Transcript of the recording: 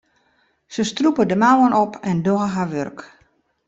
Se strûpe de mouwen op en dogge har wurk.